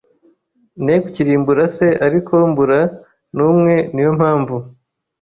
ne kukirimbura c ariko mbura n umwe Ni yo mpamvu